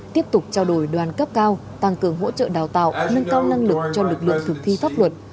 tiếp tục trao đổi đoàn cấp cao tăng cường hỗ trợ đào tạo nâng cao năng lực cho lực lượng thực thi pháp luật